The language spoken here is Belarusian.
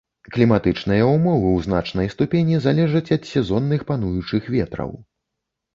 Кліматычныя ўмовы ў значнай ступені залежаць ад сезонных пануючых ветраў.